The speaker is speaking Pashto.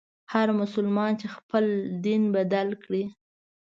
هر مسلمان چي خپل دین بدل کړي.